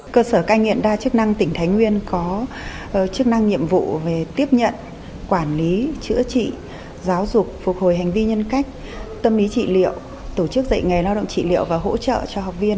cơ sở cai nghiện đa chức năng tỉnh thái nguyên có chức năng nhiệm vụ về tiếp nhận quản lý chữa trị giáo dục phục hồi hành vi nhân cách